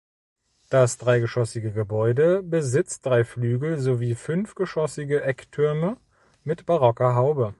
Das dreigeschossige Gebäude besitzt drei Flügel sowie fünfgeschossige Ecktürme mit barocker Haube.